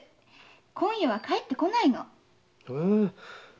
今夜は帰って来ないの。